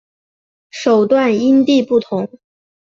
手段因地不同。